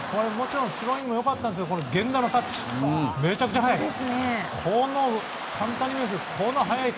スローインも良かったんですが源田のタッチめちゃくちゃ早い。